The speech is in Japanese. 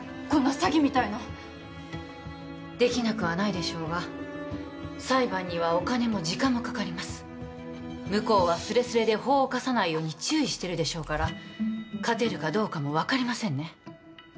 こんな詐欺みたいなできなくはないでしょうが裁判にはお金も時間もかかります向こうはすれすれで法を犯さないように注意してるでしょうから勝てるかどうかも分かりませんね